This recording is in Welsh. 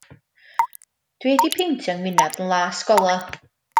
Dw i 'di peintio 'y ngwinadd yn las gola'.